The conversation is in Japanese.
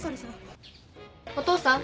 お父さん。